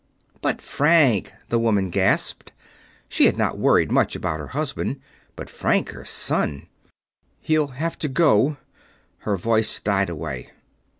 "But Frank!" the woman gasped. She had not worried much about her husband; but Frank, her son.... "He'll have to go...." Her voice died away.